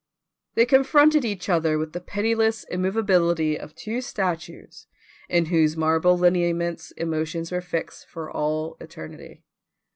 They confronted each other with the pitiless immovability of two statues in whose marble lineaments emotions were fixed for all eternity.